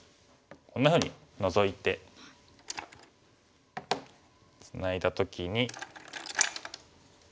こんなふうにノゾいてツナいだ時に。